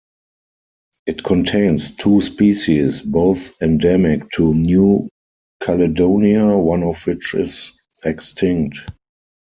It contains two species, both endemic to New Caledonia, one of which is extinct.